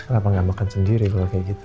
kenapa nggak makan sendiri kalau kayak gitu